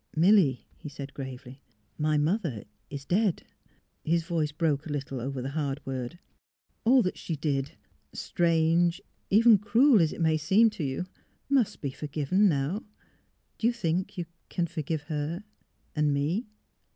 '' Milly," he said, gravely, '' my mother — is dead." His voice broke a little over the hard word. " All that she did — strange, even cruel as it may seem to you — must be forgiven, now. Do you think you can forgive her — and me?